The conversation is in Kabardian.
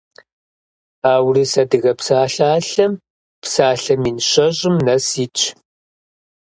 А «Урыс-адыгэ псалъалъэм» псалъэ мин щэщӏым нэс итщ.